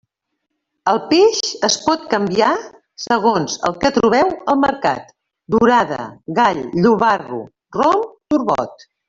El peix es pot canviar segons el que trobeu al mercat: dorada, gall, llobarro, rom, turbot.